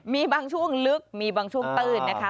มีบางช่วงลึกมีบางช่วงตื้นนะคะ